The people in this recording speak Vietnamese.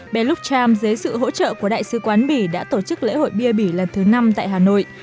bé luxem dưới sự hỗ trợ của đại sứ quán bỉ đã tổ chức lễ hội bia bỉ lần thứ năm tại hà nội